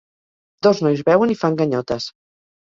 Dos nois beuen i fan ganyotes.